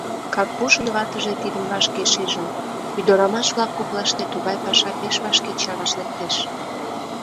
Карпушын ватыже тидым вашке шижын: ӱдырамаш-влак коклаште тугай паша пеш вашке чараш лектеш.